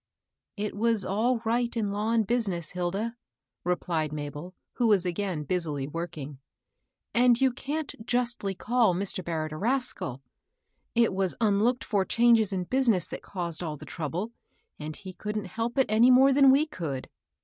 It was all right in law and business, Hilda," replied Mabel, who was again busily working; " and you can't justly call Mr. Barrett a rascal. It was unlooked for changes in business that caused all the trouble, and he couldn't help it any more than we could."